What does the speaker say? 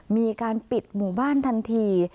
มีการปิดหมู่บ้านทันที